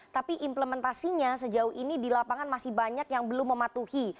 tapi implementasinya sejauh ini di lapangan masih banyak yang belum mematuhi